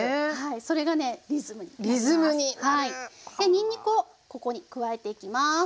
にんにくをここに加えていきます。